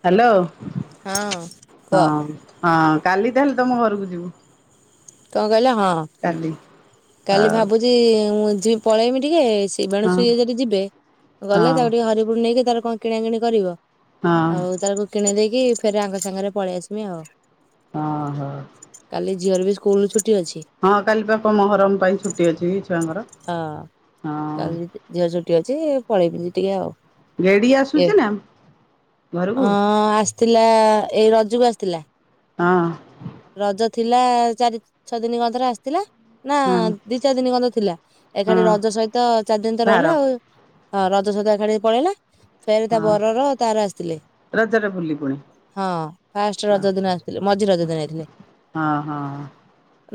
Hello ହଁ କୁହ ହଁ ହ କାଲି ତାହେଲେ ତମ ଘରକୁ ଯିବୁ, କଣ କହିଲେ ହଁ କାଲି କାଲି ହଉ ଭାବୁଛି ମୁଁ ଯିବ ପଳେଇମି ଟିକେ ସେବାଣୁ ସୁ ହଁ ଇଏ ଯଦ ଯିବେ ହଁ ଗଲେ ହଁ ତାକୁ ଟିକେ ହରିପୁର ନେଇକି ତାର କଣ କିଣା କିିଣି କରିବ। ଆଉ ତକୁ କିଣି ଦେଇକି ଫେରେ ଆଙ୍ଗ ସାଙ୍ଗରେ ପଳେଇ ଆସମି ଆଉ ହଁ ହୋ। ଝିଅ ର ବି ଅଛି ହଁ କାଲି ପାଖ ମହରମ ପାଇଁ ଛୁଟି ଅଛି କି ଛୁଆଙ୍କର ହଁ ହଁ କାଲି ଝିଅ ଛୁଟି ଅଛି ପଳେଇବିି ଟିକେ ଆଉ ଗେଡି ଏ ଆସୁଛି ନା ଘରକୁ ଥିଲା ଏଇ ରଜକୁ ଆସିଥିଲା। ହଁ। ରଜ ଥିଲା ଚାରି ଛଅ ଦିନ ଗଥରେ ଆସିଥିଲା ନା ହଁ ଦି ଚାରି ଦିନ ଗଧ ଥିଲା। ହଁ ଏଖାଠି ରଜ ସହିତ ଚାରି ଦିନ ତ ଭାର ରହିଲା ଆଉ ହଁ ରଜ ସହିତ ଏାଠି ପଳେଇଲା ଫେରେ ତା ହଁ ବରର ତାର ଆସିଥିଲେ। ରଜରେ ବୁଲି ପୁଣି ହଁ ଫାଷ୍ଟ ହଁ ରଜ ଦିନ ଆସିଥିଲେ ମଝି ରଜ ଦିନ ଆଇଥିଲେ। ହଁ ହଁ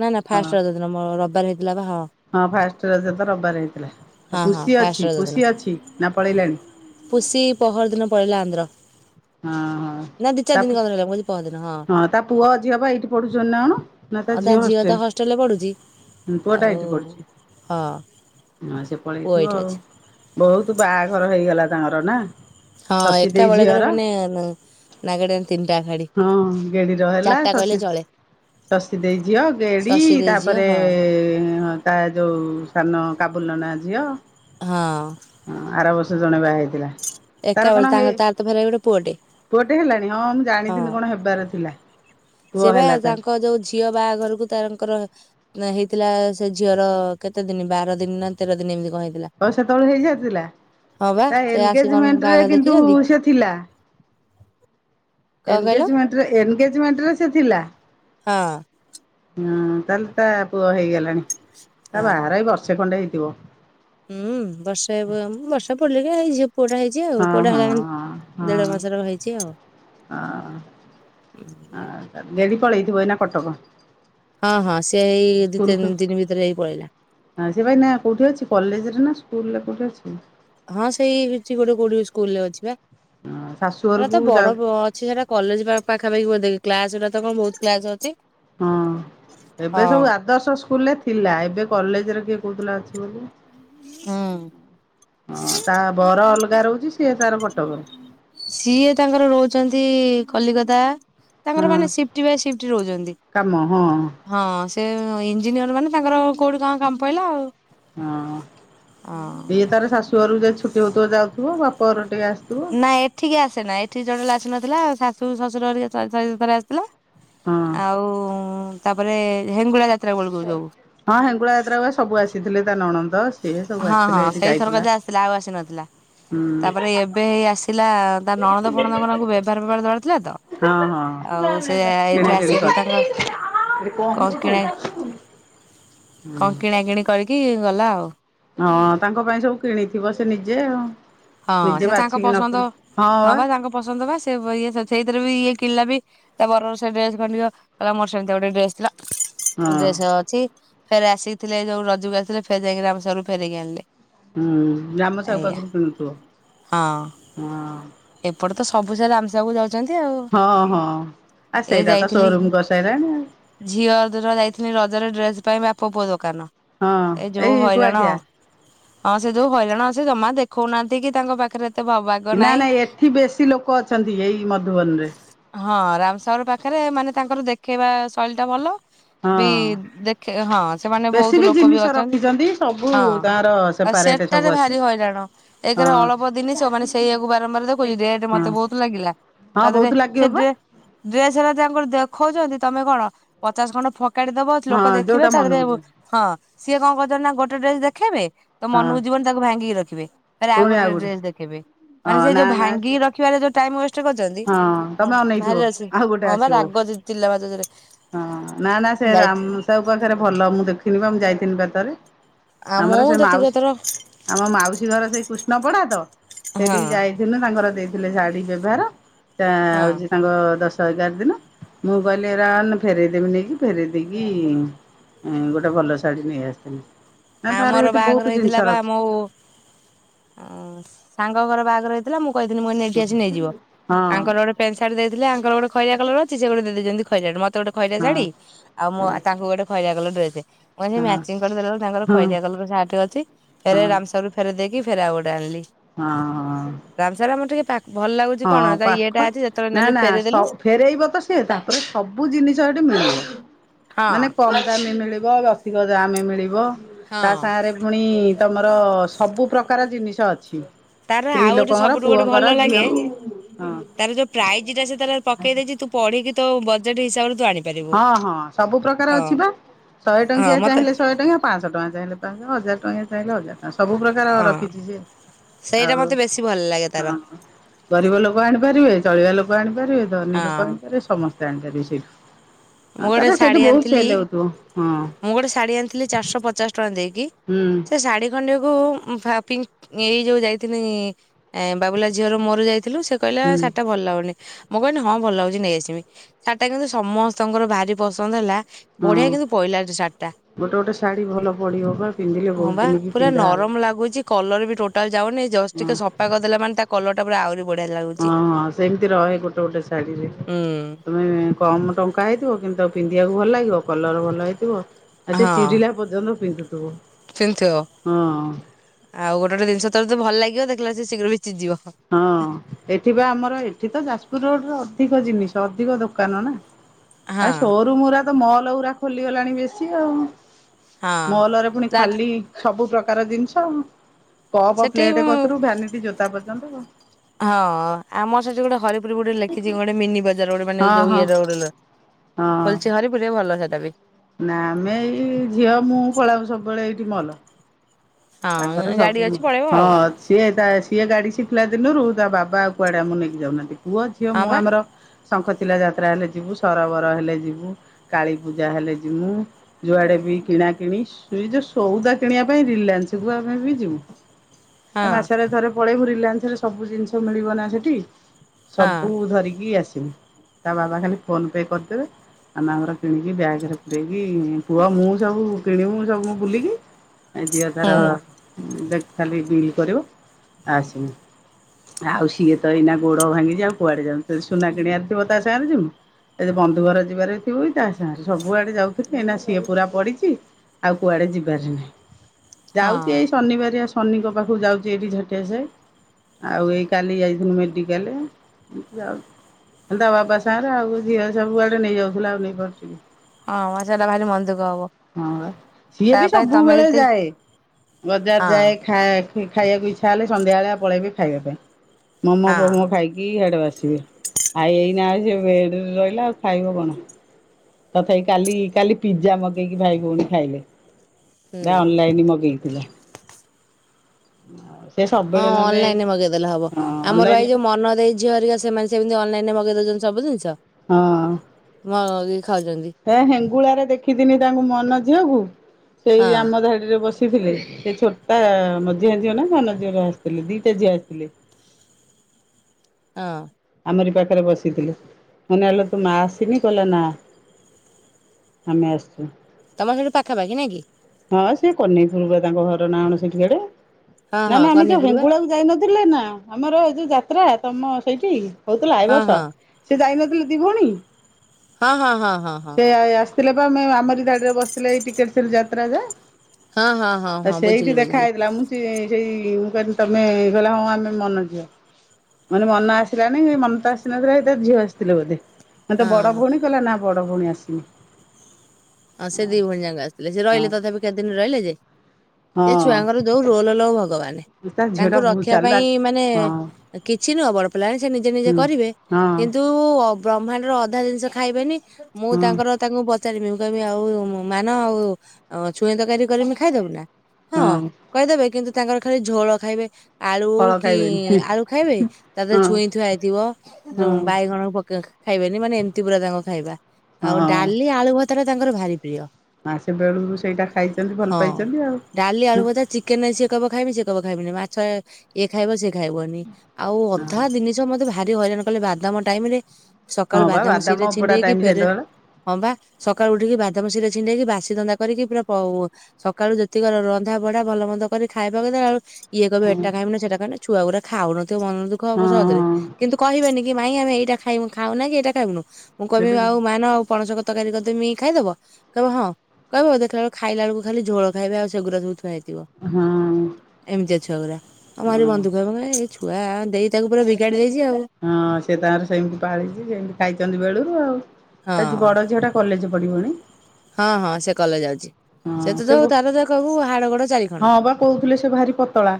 ନା ନା ହଁ ଫାଷ୍ଟ ରଜ ଦିନ ମୋର ରବିବାର ହେଇଥିଲା ବା ହଁ। ହଁ ଫାଷ୍ଟ ରଜ ତ ରବିବାର ହେଇଥିଲା। ଆ ହଁ ହଁ ପୁଷି ଫାଷ୍ଟ ଅଛି ରଜ ଦିନ ପୁଷି ଅଛି ନା ପଳେଇଲାଣି? ପୁଷି ପହର ଦିନ ପଳେଇଲା ଆନ୍ଧ୍ର। ହଁ ହଁ ନା ଦି ଚାରି ତାପ ଦିନ କଣ ରହିଲା ମୁଁ କହୁଛି ପହରଦିନ ହଁ ତା ପୁଅ ଝିଅ ବା ଏଇଠି ପଢୁଛନ୍ତି ନା କଣ? ନା ତା ଆଉ ଝିଅ ତ ହଷ୍ଟେଲ ହଷ୍ଟେଲରେ ପଢୁଛି ହୁଁ ପୁଅ ଟା ଆଉ ଏଇଠି ପଢୁଛି। ହଁ ହଁ ସେ ପୁଅ ପଳେଇଥିବ ଏଇଠି ଆଉ। ଅଛି ବହୁତ ତୁ ବାହାଘର ହେଇଗଲା ତାଙ୍କର ନା? ହଁ ଶଶୀ ଏକା ଦେଇ ବେଳକରେ ଝିଅର ମାନେ ନାଗେଡିଆନ୍ ତିନିଟା। ଏକାଠି ହଁ ଗେଡିର ହେଲା ଚାରିଟା ଶ କହିଲେ ସେ ଚଳେ ଶଶୀ ଦେଇ ଝିଅ ଗେଡି ଶଶୀ ଦେଇ ଝିଅ ତାପରେ ହଁ ତା ଯୋଉ ସାନ କାବୁଲ ନନା ଝିଅ ହଁ ହଁ ଆର ବର୍ଷ ଜଣେ ବାହା ହେଇ ହେଇଥିଲା। ତାର କଣ ଏକାବେଳେ ତାଙ୍କର ତାର ତ ଫେରେ ଗୋଟେ ପୁଅଟେ ପୁଅଟେ ହେଲାଣି ହଁ ମୁଁ ହଁ ଜାଣିଥିଲି କଣ ହେବାର ଥିଲା ପୁଅ ସେ ବା ହେଲା ତାର। ତାଙ୍କ ଯୋଉ ଝିଅ ବାହାଘରକୁ ତାର ତାଙ୍କର ନା ହେଇଥିଲା ସେ ଝିଅର କେତେ ଦିନି ବାର ଦିନି ନା ତେର ଦିନି ଏମିତି କଣ ହେଇଥିଲା। ତୋର ସେତବେଳୁ ହେଇଯାଇଥିଲା? ହଁ ବା ତା ସେ ଆସି କଣ ଏନଗେଜମେଣ୍ଟରେ ବାହାଘର କିନ୍ତୁ ଦେଖିଛନ୍ତି ସେ ଥିଲା। କଣ କହିଲ ଏନ୍ଗେଜମେଣ୍ଟ ଏନ୍ଗେଜମେଣ୍ଟରେ ସେ ଥିଲା। ହଁ। ହୁଁ ତାହେଲେ ତା ପୁଅ ହେଇଗଲାଣି। ତା ହଁ। ବାହାଘର ଏଇ ବର୍ଷେ ଖଣ୍ଡେ ହେଇଥିବ। ହୁଁ ବର୍ଷେ ବର୍ଷ ପଡ଼ିଲେ କି ହେଇ ଝିଅ ପୁଅଟା ହେଇଛି ଆଉ। ହଁ ପୁଅଟା ହଁ ହେଲାଣି ହଁ ହଁ ଦେଢ ମାସର ହେଇଛି ଆଉ। ହୁଁ। ଆ ଗେଡ଼ି ପଳେଇଥିବ ଏଇନା କଟକ। ହଁ ହଁ ସିଏ ଏଇ ଦି ତିନି ଦିନ ଭିତରେ ହେଇ ପଳେଇଲା। ହଁ ସେ ବା ଏଇନା କୋଉଠି ଅଛି କଲେଜରେ ନା ସ୍କୁଲରେ କୋଉଠି ଅଛି? ହଁ ସେଇ ହେଉଛି ଗୋଟେ କୋଉଠି ସ୍କୁଲ ରେ ଅଛି ବା। ସେଟା ଶାଶୁଘରକୁ ତ ଯାଉ ବଡ ଅଛି ସେରା କଲେଜ ପାଖାପାଖି ବୋଧେ? କ୍ଲାସ ଗୁଟା ତ କଣ ବହୁତ କ୍ଳାସ ଅଛି ହଁ ଏବେ ହଁ ସବୁ ଆଦର୍ଶ ସ୍କୁଲରେ ଥିଲା ଏବେ କଲେଜରେ କିଏ କହୁଥିଲା ଅଛି। ସୋଉଟୁ ହୁଁ। ହଁ ତା ବର ଅଲଗା ରହୁଛି ସିଏ ତାର କଟକରେ ସିଏ ତାଙ୍କର ରହୁଚନ୍ତି କଲିକତା ତାଙ୍କର ହଁ ମାନେ ସିଫ୍ଟ ବାଇ ସିଫ୍ଟ ରହୁଚନ୍ତି କାମ ହଁ ହଁ। ସେ ଇଞ୍ଜିନିୟର ମାନେ ତାଙ୍କର କୋଉଠି କଣ କାମ ପଇଲା ଆଉ? ହଁ ଇଏ ହଁ ତାର ଶାଶୂଘରକୁ ଯଦି ଛୁଟି ହଉଥିବ ଯାଉଥିବ। ବାପା ଘର ଟିକେ ଆସ ନାଇଁ ଏଠିକି ଆସେନା। ଏଠିକି ଜଣେ ହେଳେ ଆସିନଥିଲା ଶାଶୂ ଶ୍ୱଶୁର ହେରିକା ଥରେ ଦିଥର ଆସିଥିଲା ହଁ। ଆଉ ତାପରେ ହେଙ୍ଗୁଳା ଯା ହଁ ହେଙ୍ଗୁଳା ଯାତ୍ରାକୁ ବା ସବୁ ଆସିଥିଲେ ତା ନଣନ୍ଦ ସିଏ ସବୁ ହଁ ଆସିଥିଲେ ହଁ ଏଇଠି ସେଇଥରକ ଯାଇଥିଲା। ଯାହା ହୁଁ ଆସିଥିଲା ଆଉ ଆସି ନଥିଲା। ତାପରେ ଏବେ ଏଇ ଆସିଲା ତା ନଣନ୍ଦ ଫଣନ୍ଦଙ୍କ ନାଙ୍କୁ ବେଭାର ଫେଭାର ଦବାର ଥିଲା ତ ହଁ ଆଉ ସେ ହଁ। ଏଇଠି ଆସିକି ତାଙ୍କ ଏଇ କଣ କଣ କିଣା ହଉଛି କି? ହୁଁ କଣ କିଣା କିିଣି କରିକି ଗଲା ଆଉ। ହଁ ତାଙ୍କ ପାଇଁ ସବୁ କିଣିଥିବ ସେ ନିଜେ ଆଉ। ହଁ ନିଜେ ସେ ତାଙ୍କ ବାଛିକି ନ ପସନ୍ଦ କିଣି ହଁ ବା ତାଙ୍କ ପସନ୍ଦ ବା ସେ ଇଏ ସେଇଥିରେ ବି ଇଏ କିଣିଲା ବି ତା ବରର ସେ ଡ୍ରେସ ଖଣ୍ଡିକ କହିଲା ମୋର ସେମତିଆ ଗୋଟେ ଡ୍ରେସ ଥିଲା ହଁ। ମୁଁ ଡ୍ରେସ୍ ଅଛି ଫେର ଆସିକି ଥିଲେ ଏଇ ଯୋଉ ରଜକୁ ଆସିଥିଲେ ଫେର୍ ଯାଇକି ଆମ ସୋରରୁ ଫେରେଇକି ଆଣିଲେ। ହୁଁ ଗାମଶହୁ ଏଇଆ ପାଖରୁ କିଣୁଥିବ ହଁ ହଁ। ଏପଟେ ତ ସବୁ ସାର ଆମ ସାକୁ ଯାଉ ହଁ ହଁ। ଆ ଏ ସେଇଟା ତ ଯାଇଥିଲି ସୋରୁମ କରିସାଇଲାଣି ଝିଅ ଦର ଯାଇଥିଲି ରଜରେ ଡ୍ରେସ ପାଇଁ ବାପ ପୁଅ ଦୋକାନ ଆଉ ଏ ହଁ ଯୋଉ ଏଇ ହଇରାଣ କୁଆଖିଆ। ହଁ ସେ ଯୋଉ ହଇରାଣ ସେ ଜମା ଦେଖଉନାହାନ୍ତି କି ତାଙ୍କ ପାଖରେ ଏତେ ଭାଗ ନା ନାହିଁ ନାଇ ଏଠି ବେଶୀ ଲୋକ ଅଛନ୍ତି ଏଇ ମଧୁବନ ରେ। ହଁ ରାମସାଗର ପାଖରେ ମାନେ ତାଙ୍କର ଦେଖେଇବା ଶୈଳୀ ଟା ଭଲ ବି ହଁ। ଦେଖେ ହଁ ସେମାନେ ବେଶୀ ବହୁତ ଲୋକ ବି ଜିନିଷ ଅଛନ୍ତି ରଖିଛନ୍ତି ସବୁ ହଁ। ତାର ଆଉ ସେପାରେଟ ସବୁ ସେଟାରେ ଅଛି। ଭାରି ହଇରାଣ। ଏରେ ହଁ ଅଳପ ଦିନିଷ ମାନେ ସେଇଆକୁ ବାରମ୍ବାର ଦେଖୁଛି ରେ ହଁ ମତେ ବହୁତ ଲାଗିଲା। ହଁ ତା ଦେହରେ ବହୁତ ଲାଗିବ ସେ ବା ଡ ଡ୍ରେସ ହେଲା ତାଙ୍କର ଦେଖଉଛନ୍ତି ତମେ କଣ ପଚାଶ ଖଣ୍ଡ କାଢି ଦବ ଲୋକ ହଁ ଦେଖିବେ ଯୋଉଟା ତା ଦେହରେ ମନକୁ ହଁ ଯିବ। ସିଏ କଣ କରିଦବ ନା ଗୋଟେ ଡ୍ରେସ ଦେଖେଇବେ ତ ହଁ ମନକୁ ଯିବନ ତାକୁ ଭାଙ୍ଗିକି ରଖିବେ ଫେରେ ଆଉ ଗୋଟେ ଡ୍ରେସ ଦେଖେଇବେ। ମାନେ ହଁ ସେ ନା ଯୋଉ ନା ଭାଙ୍ଗି ରଖିବାର ଯୋ ଟାଇମ ୱେଷ୍ଟ କରିଛନ୍ତି ହଁ ଭି ତମେ ଅ ଅନେଇଥିବ ଆଉ ଗୋଟେ ହଁ ବା ଆସିବ। ରାଗ ଥିଲା ବଜାଜ ରେ । ହଁ ନା ନା ସେ ରାମ ସାଉ ପାଖରେ ଭଲ ମୁଁ ଦେଖିନି ବା ମୁଁ ଯାଇଥିଲି ଥ ଆଉ ମୁଁ ଆମର ସେ ଯେତିକି ମାଉସୀ ଏଥର ଆମ ମାଉସୀ ଘର ସେ କୃଷ୍ଣପଡ଼ା ତ ହଁ ସେଠିକି ଯାଇଥିଲୁ ତାଙ୍କର ଦେଇଥିଲେ ଶାଢ଼ୀ ବ୍ୟବହାର ହଁ ହଉଛି ତାଙ୍କ ଦଶ ଶହ ଏଗାର ଦିନ ମୁଁ କହିଲି ଏରା ଫେରଇଦବି ନେଇକି ଫେରଇ ଦେଇକି ଉଁ ଗୋଟେ ଭଲ ଶାଢ଼ୀ ନେଇ ଆସିଥିଲି । ଆମର ବାହାଘର ହେଇଥିଲା ବା ବା ମଉ ଓ ସାଙ୍ଗ ଘର ବାହାଘର ହେଇଥିଲା ମୁଁ କହିଥିଲି ମୁ ଏଠି ଆସି ନେଇଯିବ ହଁ ଆଙ୍କର ଗୋଟେ ପ୍ୟାଣ୍ଟ୍ ସାର୍ଟ ଦେଇଥିଲେ ୟାଙ୍କର ଗୋଟେ ଖଇରିଆ କଲର୍ ଅଛି ସେ ଗୋଟ ଦେଇଛନ୍ତି ମତେ ଗୋଟେ ଖଇରିଆ ହଁ ଶାଢ଼ୀ ଆଉ ମ ହଁ ହଁ - ତାଙ୍କୁ ଗୋଟେ ଖଇରିଆ କଲର୍ ଡ୍ରେସ୍ ଟେ ମୁଁ ଆଜି ମ୍ୟାଚିଙ୍ଗ କରିଦେଲେ ତାଙ୍କର ହଁ ଖଇରିଆ କଲର୍ ସାର୍ଟ ଟେ ଅଛି ଫେରେ ରାମସରରୁ ଫେର ଦେଇକି ଫେରେ ଆଉ ଗଟେ ଆଣିଲି । ହଁ ହଁ । ଭଲ ଲାଗୁଛି କଣ ହଁ ତା ଇଏଟା ପାଖ ଅଛି ଯେତେବେଳେ ନାଁ ନେଲୁ ଫେରେଇ ନାଁ ଦେଲୁ ଫେରଇବ ତ ସେ ତାପରେ ସବୁ ଜିନିଷ ଏଠି ମିଳିବ ହଁ । ମାନେ କମ ଦାମୀ ମିଳିବ ଅଧିକ ଦାମେ ମିଳିବ । ତା ହଁ। ସାଙ୍ଗରେ ପୁଣି ତମର ସବୁ ପ୍ରକାର ଜିନିଷ ଅଛି । ତାର ଆଉ ଗୋଟେ ସବୁଠୁ ଗୋଟେ ଭଲ ଲାଗେ ତାର ଯୋଉ ପ୍ରାଇଜ ଟା ସେ ତାର ପକେଇ ଦେଇଛି ତୁ ପଢ଼ିକି ତୁ ବଜେଟ ହିସାବରେ ତୁ ଆଣିବୁ । ହଁ ହଁ ସବୁ ପ୍ରକାର ଅଛି ବା ଶହେ ହଁ ଟଙ୍କିଆ ମତେ ଚାହିଁଲେ ଶହେ ଟଙ୍କିଆ ପାଞ୍ଚଶହ ଟଙ୍କା ଚାହିଁଲେ ହଜାର ଟଙ୍କା ଚାହିଁଲେ ହଜାର ଟଙ୍କା ସବୁ ପ୍ରକାର ହଁ ରଖିଛି ସ ସେଇଟା ଆଉ ମତେ ବେଶୀ ଭଲ ଲାଗେ ତାର ହଁ ଗରିବ ଲୋକ ଆଣିପାରିବେ ଗରିବ ଲୋକ ଆଣିପାରିବେ ଧନୀ ଲୋକ ହଁ। ଆଣିପାରିବେ ସମସ୍ତେ ଆଣିପାରିବେ ସେଇଠୁ । ମୁଁ ଗୋଟେ ଶାଢ଼ୀ ଆଣିଥିଲି ହଉଥିବ ହଁ ମୁଁ ଗୋଟେ ଶାଢ଼ୀ ଆଣିଥିଲି ଚାରିଶହ ପଚାଶ ଟଙ୍କା ଦେଇକି ହୁଁ ସେ ଶାଢ଼ୀ ଖଣ୍ଡକୁ ପିଙ୍କ ଏଇ ଯୋଉ ଯାଇଥିଲି ଏଁ ବାବୁଲା ଝିଅର ମୋରୁ ଯାଇଥିଲୁ ସେ କହିଲା ହୁଁ ଶାଢ଼ୀ ଟା ଭଲ ଲାଗୁନି । ମୁଁ କହିଲି ହଁ ଭଲ ଲାଗୁଛି ନେଇଆସିବି ଶାଢ଼ୀଟା କିନ୍ତୁ ସମସ୍ତଙ୍କର ଭାରି ପସନ୍ଦ ହେଲା ବଢିଆ ହଁ। କିନ୍ତୁ ପଇଲା ଶାଢ଼ୀ ଟା । ଗୋଟେ ଗୋଟେ ଶାଢ଼ୀ ଭଲ ପଡ଼ିବ ବା ପିନ୍ଧିଲେ ହଁ ବହୁତ ବା ଦିନ କି ପୁରା ପିନ୍ଧା ହବ। ନରମ ଲାଗୁଛି କଲର ବି ଟୋଟାଲ ଯାଉନି । ଜସ୍ ହଁ ଟିକେ ସଫା କରିଦେ ମାନେ ତା କଲରଟା ପୁରା ଆହୁରି ବଢିଆ ଲାଗୁଛି। ହଁ ହଁ ସେମିତି ରହେ ଗୋଟେ ଗୋଟେ ଶାଢ଼ୀରେ ହଁ ତମେ କମ ଟଙ୍କା ହେଇ ଥିବ କିନ୍ତୁ ଆଉ ପିନ୍ଧିବାକୁ ଭଲ ଲାଗିବ କଲର ଭଲ ହେଇଥିବ ଆଉ ସେ ଚିରିଲା ପର୍ଯ୍ୟନ୍ତ ପିନ୍ଧୁଥିବୁ ପିନ୍ଧିଥିବ ହଁ । ଆଉ ଗୋଟେ ଗୋଟେ ଜିନିଷ ତ ଭଲ ଲାଗିବ ଦେଖିଲା ସେ ଶୀଘ୍ର ବି ହଁ ଏଠି ବା ଆମର ଏଠି ତ ଯାଜପୁର ରୋଡ ର ଅଧିକ ଜିନିଷ ଅଧିକ ଦୋକାନ ନା ସୋରୁମ ତ ମଲ ଗୁରା ଖୋଲିଗଲାଣି ବେଶୀ ଆଉ ହଁ ମଲ ରେ ପୁଣି ତା ଖାଲି ସବୁ ପ୍ରକା କାର ଜିନିଷ କପ୍ ସେଠି ପ୍ଲେଟ କରୁ ଭ୍ୟାନିଟି ଜୋତା ପର୍ଯ୍ୟନ୍ତ ହଁ ଆମର ସେଠି ଗୋଟେ ହରି ହ ଗୋଟେ ଲେଖିଛି ଗୋଟେ ମିନି ବଜାର ଗୋଟେ ମାନେ ହଁ ଯୋ ହଁ ଇଏ ରୋଡ ଖୋଲଛି ହରିପୁର ଭଲ ସେଟା ବି ନାଁ ଆମେ ଏଇ ଝିଅ ମୁଁ ପଳାଉ ସବୁବେଳେ ଏଇଠି ମଲ ତାଙ୍କର ହଁ ଗାଡି ସବୁ ଅଛି ପଳେଇବ ହଁ ଆଉ ସିଏ ତା ସିଏ ଗାଡ଼ି ଶିଖିଲା ଦିନରୁ ତା ବାବା ଆଉ କୁଆଡ଼େ ଆମକୁ ନେଇକିାଯାଉନାହାନ୍ତି ପୁଅ ଝିଅ ହଁ ମୁଁ ବା ଆମର ଶଙ୍ଖଚିଲା ଯାତ୍ରା ହେଲେ ଯିବୁ, ସରୋବର ହେଲେ ଯିବୁ, କାଳୀପୂଜା ହେଲେ ଯିମୁ ଯୁଆଡ଼େ କିଣା କିଣି ଯୋଉ ସଉଦା କିଣିବା ପାଇଁ ରିଲାନ୍ସ ଥିବୁ ଆମେ ବି ଯିବୁ ହଁ ମାସରେ ଥରେ ପଳେଇବୁ ରିଲାନ୍ସ ରେ ସବୁ ଜିନିଷ ମିଳିବ ନା ସେଠି ହଁ ସବୁ ଧରିକି ଆସି ତା ବାବା ଖାଲି ଫୋନ ପେ କରିଦବେ । ଆମେ ଅମର କିଣିକି ବ୍ୟାଗରେ ପରେଇକି ପୁଅ ମୁଁ ସବୁ କିଣିବୁ ସବୁ ମୁ ବୁଲିକି ଝିଅ ତାର ହୁଁ ଖାଲି ବିଲ୍ କରିବୁ ଆସିବୁ। ଆଉ ସିଏ ତ ଏଇନା ଗୋଡ ଭାଙ୍ଗି ଯାଉ କୁଆଡେ ଯାଉ ସୁନା କିଣିବାର ଥିବ ତା ସାଙ୍ଗରେ ଯିବୁ ଏ ଯେ ବନ୍ଧୁ ଘର ଯିବାର ଥିବ କି ତା ସାଙ୍ଗ ସବୁଆଡେ ଯାଉଥିଲୁ ଏହିନା ସିଏ ପୁରା ପଡିଚି ଆଉ କୁଆଡେ ଯିବାର ନାହିଁ ହଁ ଯାଉଛି ଏଇ ଶନିବାର ଆ ଶନିଙ୍କ ପାଖକୁ ଯାଉଛି ଏଇଠି ଝାଟିଆ ସାହି ଆଉ ଏଇ କାଲି ଯାଇଥିଲୁ ମେଡ଼ିକାଲ ଯାଉ ହେନ୍ତା ବାବା ସାଙ୍ଗରେ ଆଉ ଝିଅ ସବୁଆଡେ ନେଇଯାଉଥିଲା ଆଉ ନେଇପାରୁୁଛି କି? ହଁ ସେଟା ଭାରି ମନ ଦୁଃଖ ହବ ହଁ ସିଏ ତା ବି ପାଇଁ ତମେ ସବୁବେଳେ ଯେତିକି ଯାଏ। ବଜାର ହଁ ଯାଏ ଖାଇବାକୁ ଇଚ୍ଛା ହେଲେ ସନ୍ଧ୍ୟା ବେଆ ପଳେଇବେ ଖାଇବା ପାଇଁ। ମୋମୋ ହଁ ଫୋମୋ ଖାଇକି ହିଆଡ ବାସ ଆଉ ଏଇନା ସେ ରହିଲା ଆଉ ଖାଇବ କଣ? ତଥାପି କାଲି କାଲି ପିଜା ମଗେଇକି ଭାଇ ଭଉଣୀ ଖାଇଲେ। ହୁଁ ନା ଅନଲାଇନି ମଗେଇଥିଲେ। ହଁ ସେ ହଁ ସବୁବେଳେ ନହେଲେ ଅନଲାଇନ ରେ ମଗେଇଦେଲେ ହବ ଆମର ଅନଲାଇନ ଭାଇ ଯୋଉ ମନ ଦେଇ ଝିଅ ହରିକା ସେମାନେ ସେମିତି ଅନଲାଇନ ରେ ମଗେଇ ଦଉଛନ୍ତି ସବୁ ଜିନିଷ ହଁ [unintelligible] ହେ ହେଙ୍ଗୁଳାରେ ଦେଖିଦିନି ତାଙ୍କୁ ମନ ଝିଅକୁ ସେଇ ହଁ ଆମ ଧାଡିରେ ବସି ଆସି ଥିଲେ ସେ ଛୋଟା ମଝିଆ ଝିଅ ନା ସାନ ଝିଅ ଆସିଥିଲେ ଦିଟା ଝିଅ ଆସିଥିଲେ। ହଁ। ଆମରି ପାଖରେ ବସିଥିଲେ ମାନେ ହେଲ ତ ମା ଆସନି କହିଲ ନା। ଆମେ ଆସିଚୁ। ତମ ସେଇଠୁ ପାଖାପାଖି ନା କି? ହଁ ସେଇ କନେଇପୁରୁ ବା ତାଙ୍କ ଘର ନାଁଣ ସେଠି ହିଆଡେ ହଁ ନା ହଁ ନା ଆମେ ଯୋଉ କହ୍ନେଇପୁର ବା ହେଙ୍ଗୁଳାକୁ ଯାଇନଥିଲେ ନା ଆମର ଏ ଯୋଉ ଯାତ୍ରା ତମ ସେଇଠି ହଉଥିଲା ଏ ହଁ ବର୍ଷ ହଁ ସେ ଯାଇନଥିଲେ ଦି ଭଉଣୀ ହଁ ହଁ ହଁ ହଁ ସେ ଥିଲେ ବା ଆମଧାଡିରେ ବସିଥିଲେ ଏଇ ଟିକେଟ ଶ୍ରୀ ଯାତ୍ରା ହଁ ହଁ ହଁ ହଁ ରେ ହଁ ସେଇଠି ବୁଝିଲି ଦେଖା ବୁଝିଲି। ହେଇଥିଲା ମୁଁ ଚି ସେଇ ମୁଁ କହିଲି ତମେ କହିଲା ହ‍ଁ ଆମେ ମନ ଝିଅ । ମାନେ ମନ ଆସିଲାନି ମନ ତ ଆସିନଥିଲା ଝିଅ ଆସିଥିଲେ ବୋଧେ? ନା ତା ହଁ ବଡ ଭଉଣୀ କଲା ନା ବଡ ଭଉଣୀ ଆସନି। ହଁ ସେ ଦି ଭଉଣ ଯାକ ଆସିଥିଲେ ସେ ରହିଲେ ତଥାପି କେତେ ଦିନ ରହିଲେ ଯେ ସେ ହଁ। ଛୁଆଙ୍କର ଯୋଉ ରୋଲ ‌ଲୋ ଭଗବାନ। ତା ଝିଅ ତାଙ୍କୁ ଟା ବହୁତ ରଖିବା ପାଇଁ ଚାଲାକ୍ ମାନେ ହଁ କିଛି ଛିନୁହ ବଡ଼ ପିଲାଣି ସେ ନିଜେ ନିଜେ ହୁଁ। କରିବେ ହଁ କିନ୍ତୁ ବ୍ରହ୍ମାଣ୍ଡର ଅଧା ଜିନିଷ ଖାଇବେନି ମୁଁ ହଁ ତାଙ୍କର ତାଙ୍କୁ ପଚାରିମି ମୁଁ କଇମି ଆଉ ମୋ ମାନ ଆଉ ଅ-ଛୁଇଁ ତରକାରୀ କରିମି ଖାଇଦୋବୁ ନା? ହଁ କହିଦେବେ କିନ୍ତୁ ତାଙ୍କର ଖାଲି ଝୋଳ ଖାଇବେ। ଆଳୁ ଫଳ କି ଖାଇବେନି ଆଳୁ ଖାଇବେ ତାଦେହରେ ହଁ। ଛୁଇଁ ଥୁଆ ହେଇଥିବ ଯୋଉ ହଁ ବାଇଗଣକୁ ପକେଇ ଖାଇବେନି ମାନେ ଏମତି ପୁରା ତାଙ୍କ ଖାଇବା ଆଉ ହଁ ଡାଲି ଆଳୁ ଭତାଟା ତାଙ୍କର ଭାରି ପ୍ରିୟ। ଆ ସେ ବେଳୁରୁ ସେଇଟା ଖାଇଛନ୍ତି ଭଲ ହଁ ପାଇଛନ୍ତି ଆଉ। ଡାଲି ଆଳୁ ଭତା ଚିକେନେ ସିଏ କହିବ ଖାଇମି ସିଏ କହିବ ଖାଇବମି ନେଇ ମା ଛ ଇଏ ଖାଇବ ସିଏ ଖାଇବନି ଆଉ ଅଧା ଦିନିଷ ମତେ ଭା ଭାରି ହଇରାଣ କଲେ ବାଦାମ ଟାଇମରେ ହଁ ସକାଳୁ ବା ବାଦାମ ସିରେ ଅବଡା ଛିଣ୍ଡେଇକି ଟାଇମ ଫେରେ ସେତେବେଳେ ହଁ ପା। ଏଇ ବାଦମ ଶୀରେ ଛିଣ୍ଡେଇକି ବାସି ଧନ୍ଦା କରିକି ପୁରା ପ-ଓ-ସକାଳୁ ଯେତିକର ରନ୍ଧା ବଢା ଭଲ ମନ୍ଦ କରି ଖା ଖାଇବାକୁ ଦେଲାବେଳୁ ଇଏ କହିବ ହଁ ଏଟା ଖାଇମୁନି ସେଟା ଖାଇମୁନି ଛୁଆଗୁରା ଖାଉନଥିବେ ମନ ଦୁଃଖ ହବ ହଁ ସହଜରେ କିନ୍ତୁ କହିବେନି କି ମାଇଁ ଆମେ ଏଇଟା ଖାଇମୁ ଖାଉନା କି ଏଇଟା ଖାଇମୁନୋଉ ମୁଁ କହିବି ହଁ। ଆଉ ମାନ ଆଉ ପଣସ କଁ ତରକାରୀ କରି ଦେମି କି ଖାଇଦବ କହିବ ହଁ କହିବ ଦେଖାଲା ବେଳକୁ ଖାଇଲା ବେଳକୁ ଖାଲି ଝୋଳ ଖାଇବେ ଆଉ ସେଗୁରା ସବୁ ଥୁଆହେଇ ଥିବ ହଁ ଏମିତିଆ ଛଆଗୁରା ଆମାରି ହଁ ବନ୍ଧୁ କହେ ମୁଁ କହିମି ଏ ଛୁ ଛୁଆ ଦେଇ ତାକୁ ପୁରା ବିଗାଡି ଦେଇଚି। ହଁ ସେ ତାଙ୍କର ସେମିତି ପାଳିଚି ସେମିତି ଖାଇଚନ୍ତି ବେଳୁରୁ ଆଉ। ହଁ ତା ଜି-ବଡ ଝିଅଟା କଲେଜ ପଢିବନି। ହଁ ହଁ ସେ କଲେଜେ ଯାଉଚି ସେ ତ ଯୋଉ ତାର ତ କହିବୁ ହାଡ ଗୋଡ ଚାରି ଖଣ୍ଡ। କୋହୁଥିଲେ ସେ ଭାରି ପତଳା।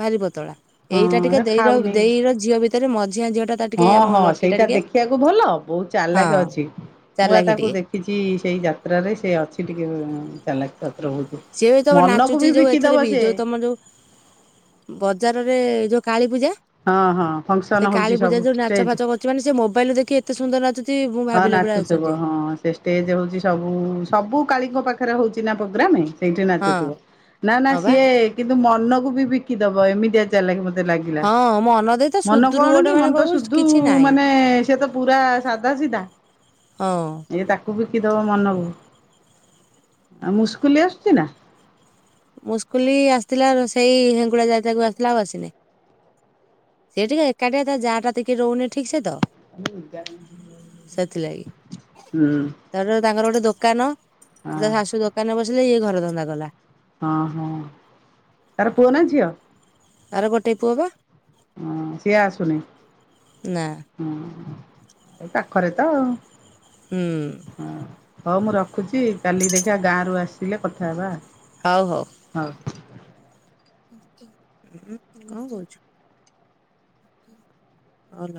ଭାରି ପତଳା ହଁ ଏଇଟା ଟିକେ ସେ ଦେଇର ଖାଉନି ଦେଇର ଝିଅ ଭିତରେ ମ ହଁ ହଁ ସେଇଟା ଦେଖିବାକୁ ଭଲ ବୋହୁତ ହଁ ଚାଲାଖେ ଅଛି। ମୁଁ ବା ଚାଲାଖି ତାକୁ ଟିକେ। ଦେଖିଚି ସେଇ ଯାତ୍ରାରେ ସେ ଅଛି ଟିକେ ଚାଲାଖ ଅ ସିଏ ବି ତମ ନାଚୁଚି ଯୋଉ ଏଥିରେ ବି ସେ ଯୋଉ ତମର ଯୋଉ ଉଁ-ବଜାରରେ ଯୋଉ କାଳୀପୂଜା ହଁ ହଁ ଫଙ୍କସନ ସେ ହଉଛି ସବୁ କାଳୀପୂଜା ଯୋଉ ନାଚ ଷ୍ଟେଜ ଫାଚ କରୁଚି ମାନେ ସେ ମୋବାଇଲରୁ ଦେଖିକି ଏତେ ସୁନ୍ଦର ନାଚୁ ହଁ ନାଚୁଥିବ ହଁ ସେ ଷ୍ଟେଜେ ହୋଉଚି ସବୁ ସବୁ କାଳୀଙ୍କ ପାଖରେ ହୋଉଚି ନା ପୋଗ୍ରାମେ ସେଇଠି ହଁ ନାଚୁଥିବ ନା ନା ହଁ ବା ସିଏ କିନ୍ତୁ ମନକୁ ବି ବିକି ଦବ ଏମି ତିଆ ଚାଲାଖେ ଭ ଲାଗିଲା ହଁ ମୋ ଅନଦେଇ ତ ମନ ସୁଦୁରୁ କଣ ଗୋଟେ କି ମାନେ ମନ ତ କହିବୁ ସୁଦୁ କିଛି ନାହିଁ। ମାନେ ସିଏ ତ ପୁରା ସା ଧା ସିଧା ହଁ ଏଇ ତାକୁ ବିକି ଦବ ମନକୁ ଆଉ ମୁସ୍କୁଲି ଆସୁଚି ନା? ମୁସ୍କୁଲି ଆସଥିଲା ର ସେଇ ହେଙ୍ଗୁଳା ଯାତ୍ରାକୁ ଆସିଥିଲା ଆଉ ଆସିନେଇ। ସିଏ ଟିକେ ଏକାଟିଆ ତା ଯାଆଟା ଟିକେ ରହୁନେଇ ଠିକସେ ତ। ହୁଁ ସେଥିଲାଗି ତାପରେ ତାଙ୍କର ଗୋଟେ ଦୋକାନ ହଁ ତା ଶାଶୁ ଦୋକାନରେ ବସିଲେ ଇଏ ଘର ଧନ୍ଦା କଲା। ହଁ ହଁ ତାର ପୁଅ ନା ଝିଅ? ତାର ଗୋଟେ ପୁଅପା। ହଁ ସିଏ ଆସୁନି ନା ହଁ। ଏଇ ପାଖରେ ତ। ହୁଁ। ହୋଉ ମୁଁ ରଖୁଚି କାଲି ଦେଖିଆ ଗାଁରୁ ଆସିଲେ କଥା ହେବା। ହଉ ହୋଉ। ହଉ। ଉଁ କଣ କହୁଚୁ? ଅଲ